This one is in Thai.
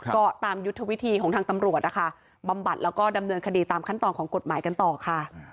ก็ตามยุทธวิธีของทางตำรวจนะคะบำบัดแล้วก็ดำเนินคดีตามขั้นตอนของกฎหมายกันต่อค่ะ